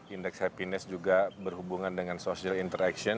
indeks happiness juga berhubungan dengan social interaction